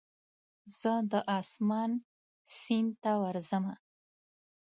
زه د اسمان سیند ته ورځمه